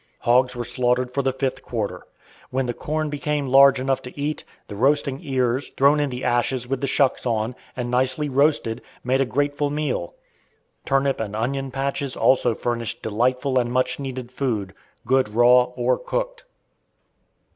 Hogs were slaughtered for the "fifth quarter." When the corn became large enough to eat, the roasting ears, thrown in the ashes with the shucks on, and nicely roasted, made a grateful meal. Turnip and onion patches also furnished delightful and much needed food, good raw or cooked.